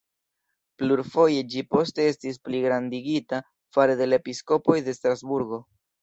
Plurfoje ĝi poste estis pligrandigita fare de la episkopoj de Strasburgo.